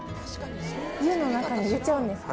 湯の中に入れちゃうんですか？